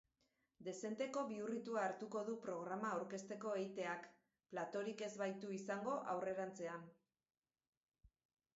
Dezenteko bihurritua hartuko du programa aurkezteko eiteak, platorik ez baitu izango aurrerantzean.